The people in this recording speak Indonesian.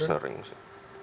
ya sering sih